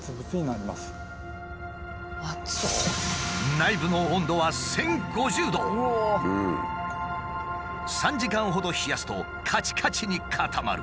内部の温度は３時間ほど冷やすとかちかちに固まる。